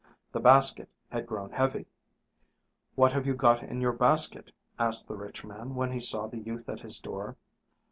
The basket had grown heavy. "What have you in your basket?" asked the rich man when he saw the youth at his door.